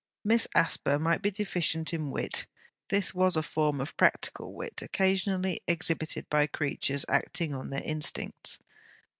Miss Asper might be deficient in wit; this was a form of practical wit, occasionally exhibited by creatures acting on their instincts.